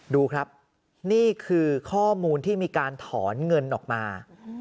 ดูครับนี่คือข้อมูลที่มีการถอนเงินออกมา